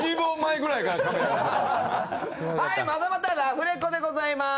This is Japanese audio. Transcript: またまたラフレコでございます。